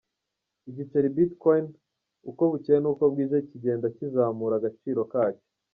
Igiceri Bitcoin uko bukeye n’uko bwije kigenda kizamura agaciro kacyo.